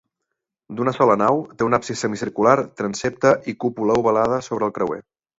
D'una sola nau, té un absis semicircular, transsepte i cúpula ovalada sobre el creuer.